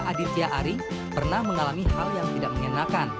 indonesia aditya ari pernah mengalami hal yang tidak menyenangkan